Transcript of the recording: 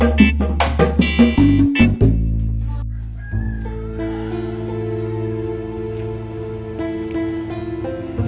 dik dik itu juga menang